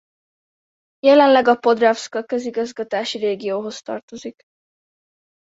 Jelenleg a Podravska közigazgatási régióhoz tartozik.